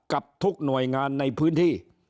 กับทุกหน่วยงานในพื้นที่